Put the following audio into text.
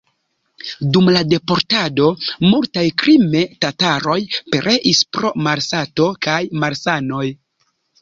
Dum la deportado multaj krime-tataroj pereis pro malsato kaj malsanoj.